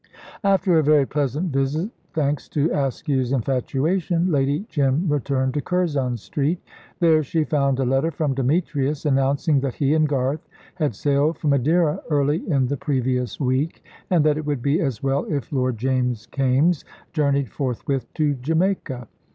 After a very pleasant visit, thanks to Askew's infatuation, Lady Jim returned to Curzon Street. There she found a letter from Demetrius announcing that he and Garth had sailed for Madeira early in the previous week, and that it would be as well if Lord James Kaimes journeyed forthwith to Jamaica.